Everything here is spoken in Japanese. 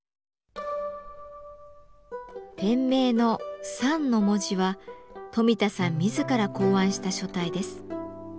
店名のサンの文字は冨田さん自ら考案した書体です。